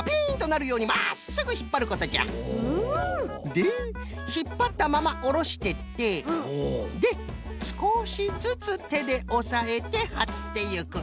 でひっぱったままおろしてってですこしずつてでおさえてはっていく。